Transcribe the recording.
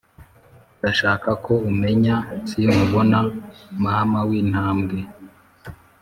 ndashaka ko umenya sinkubona mama wintambwe,